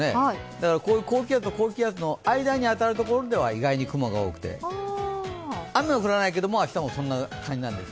だから高気圧と高気圧の間に当たる所は意外に雲が多くて、雨は降らないけど明日もそんな感じなんです